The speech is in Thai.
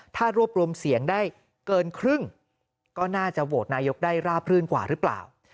ถ้ารวบรวมเสียงได้เกินครึ่งก็น่าจะโหวตนายกได้ราบรื่นกว่าหรือเปล่า